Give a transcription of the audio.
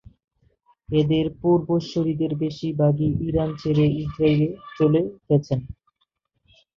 এদের পূর্বসূরীদের বেশির ভাগই ইরান ছেড়ে ইসরায়েলে চলে গেছেন।